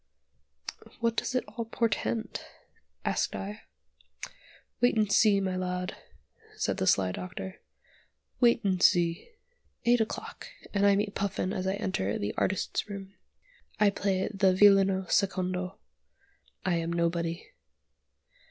"What does it all portend?" asked I. "Wait and see, my lad," said the sly Doctor. "Wait and see." Eight o'clock! and I meet Puffin as I enter the "Artists' Room." I play the violino secondo. I am nobody.